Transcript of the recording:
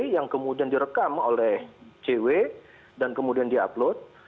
yang kemudian direkam oleh cw dan kemudian diupload